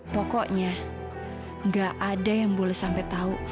pokoknya gak ada yang boleh sampai tahu